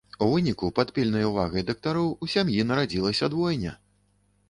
У выніку пад пільнай увагай дактароў у сям'і нарадзілася двойня!